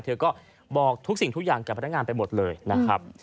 เธอก็บอกทุกสิ่งทุกอย่างกับพนักงานไปหมดเลยนะครับ